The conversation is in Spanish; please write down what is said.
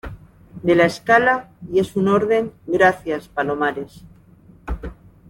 de la escala. y es una orden . gracias, Palomares .